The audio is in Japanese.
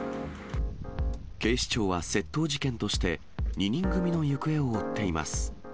警視庁は窃盗事件として、２人組の行方を追っています。